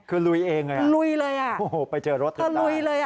คือลุยเองอย่างนั้นครับโอ้โฮไปเจอรถถึงได้ลุยเลย